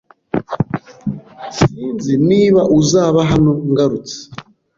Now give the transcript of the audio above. Sinzi niba uzaba hano ngarutse